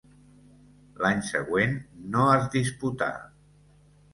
L'any següent no es disputà.